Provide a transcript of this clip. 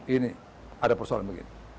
ini ada persoalan begini